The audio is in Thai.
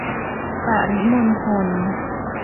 ปริมณฑล